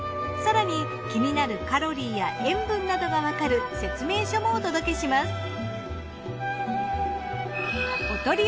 更に気になるカロリーや塩分などがわかる説明書もお届けします。